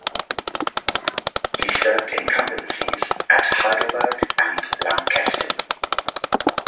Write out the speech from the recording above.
He served incumbencies at Heidelberg and Launceston.